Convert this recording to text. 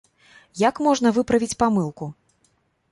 Як можна выправіць памылку?